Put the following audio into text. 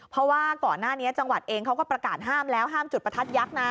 เพราะว่าก่อนหน้านี้จังหวัดเองเขาก็ประกาศห้ามแล้วห้ามจุดประทัดยักษ์นะ